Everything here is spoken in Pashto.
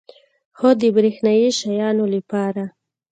هو، د بریښنایی شیانو لپاره